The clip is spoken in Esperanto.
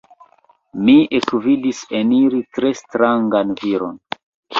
Mi ekvidis eniri tre strangan viron.